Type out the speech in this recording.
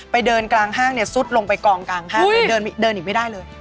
เดินกลางห้างเนี่ยซุดลงไปกองกลางห้างเลยเดินอีกไม่ได้เลย